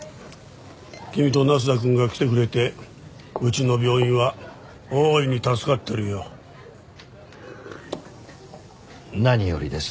君と那須田くんが来てくれてうちの病院は大いに助かってるよ。何よりです。